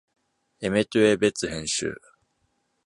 エメット・ A ・ベッツ編集。